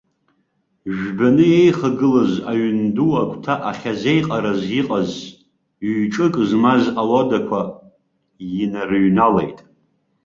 Жәбаны еихагылаз аҩын ду агәҭа ахьазеиҟараз иҟаз, ҩ-ҿык змаз ауадақәа инарыҩналеит.